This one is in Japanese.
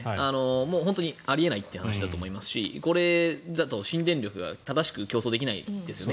あり得ないという話だと思いますしこれだと新電力が正しく競争できないですよね。